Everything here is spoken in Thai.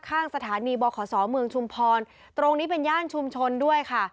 ข้างสถานีบขศเมืองชุมพรตรงนี้เป็นย่านชุมชนด้วยค่ะ